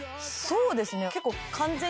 そうですね。